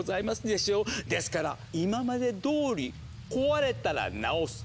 ですから今までどおり壊れたらなおす。